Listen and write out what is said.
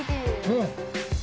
うん。